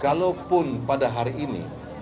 kalau pun pada hari ini